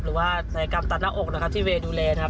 ศัยกรรมตัดหน้าอกนะครับที่เวย์ดูแลนะครับ